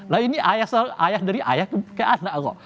loh ini ayah dari ayah ke anak allah